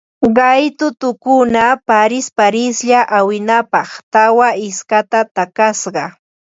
Qaytukuna parisparislla arwinapaq tawa istaka takasqa